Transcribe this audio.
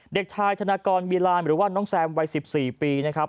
เด็กชายธนากรบีลานหรือว่าน้องแซมวัย๑๔ปีนะครับ